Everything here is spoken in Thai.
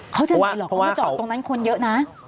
เขาจะหน่อยหรอเพราะว่าจอตรงนั้นคนเยอะนะ